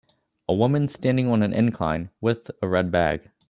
A woman standing on an incline with a red bag